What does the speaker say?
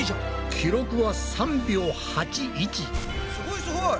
記録はすごいすごい！